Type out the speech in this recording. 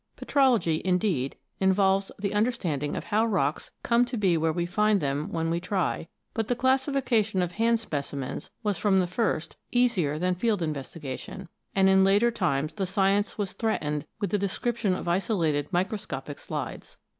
Petrology, indeed, involves the understanding of how rocks " come to be where we find them when we try"; but the classification of hand specimens was from the first easier than field investigation, and in later times the science was threatened with the description of isolated micro scopic slides.